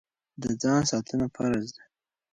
د ځان ساتنه فرض ده.